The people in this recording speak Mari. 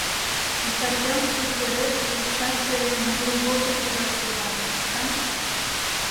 Итальянский сереш иктаж вере мыйым волтен кодаш йодам, капитан.